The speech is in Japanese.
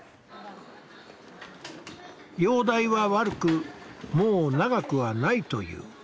容体は悪くもう長くはないという。